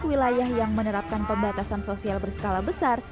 wilayah yang menerapkan pembatasan sosial berskala besar